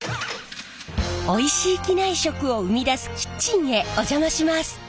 おいしい機内食を生み出すキッチンへお邪魔します。